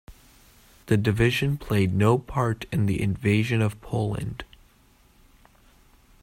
The division played no part in the invasion of Poland.